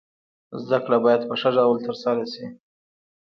زده کړه باید په ښه ډول سره تر سره سي.